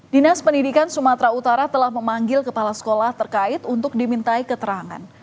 dinas pendidikan sumatera utara telah memanggil kepala sekolah terkait untuk dimintai keterangan